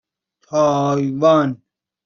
تایوان